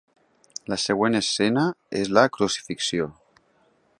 La següent escena és la Crucifixió.